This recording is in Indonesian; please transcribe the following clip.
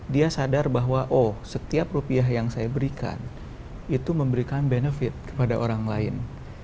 dia sadar bahwa oh setiap rupiah yang saya berikan itu memberikan benefit kepada orang lain